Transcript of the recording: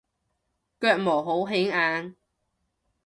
腳毛好顯眼